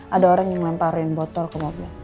ada orang yang melemparin botol ke mobil